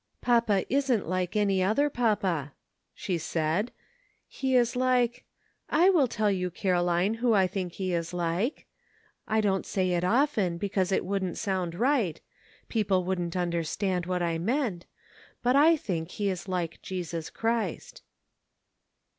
"Papa isn't like any other papa," she said. "He is like — Z will tell you, Caroline, who I think he is like. I don't say it often because it wouldn't sound right — people wouldn't understand what I meant — but I think he is like Jesus Christ."